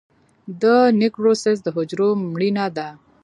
د نیکروسس د حجرو مړینه ده.